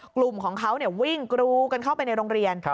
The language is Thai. กลุ่มของเขาวิ่งกรูกันเข้าไปในโรงเรียน